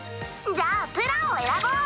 じゃあプランを選ぼう。